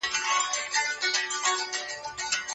کمپيوټر درملنه تنظيموي.